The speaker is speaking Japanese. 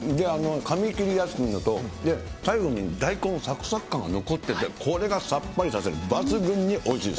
かみ切りやすいのと、最後に大根のさくさく感が残ってて、これがさっぱりさせる、抜群においしいです。